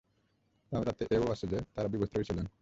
তাওরাতে এও আছে যে, তারা বিবস্ত্রই ছিলেন।